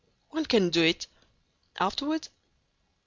"One can do it! Afterward?"